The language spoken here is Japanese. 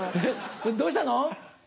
どうしたの？